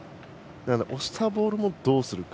押したボールもどうするか。